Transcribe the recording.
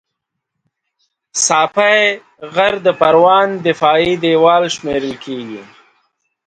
ساپی غر د پروان دفاعي دېوال شمېرل کېږي